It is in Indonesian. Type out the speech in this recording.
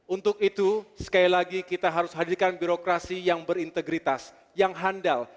untuk itu sekali lagi kita harus hadirkan birokrasi yang berintegritas yang handal